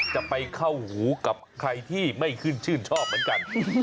ไปเข้าหูกับใครที่ไม่ขึ้นชื่นชอบเหมือนกัน